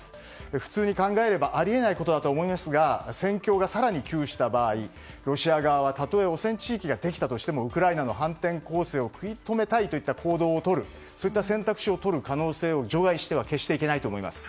普通に考えればあり得ないことだと思いますが戦況が更に窮した場合ロシア側が反転攻勢を食い止めたいといった行動をとるそういった選択肢をとる可能性を決して除外してはいけないと思います。